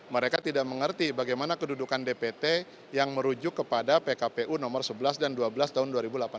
mereka tidak mengerti bagaimana kedudukan dpt yang merujuk kepada pkpu nomor sebelas dan dua belas tahun dua ribu delapan belas